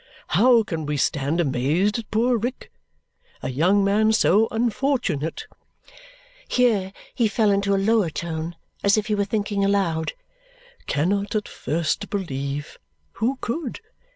How can we stand amazed at poor Rick? A young man so unfortunate," here he fell into a lower tone, as if he were thinking aloud, "cannot at first believe (who could?)